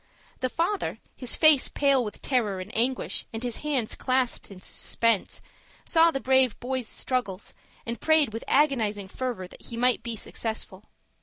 The father, his face pale with terror and anguish, and his hands clasped in suspense, saw the brave boy's struggles, and prayed with agonizing fervor that he might be successful.